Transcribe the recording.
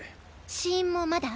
死因もまだ？